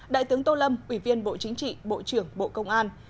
đại tướng tô lâm ủy viên bộ chính trị bộ trưởng bộ công an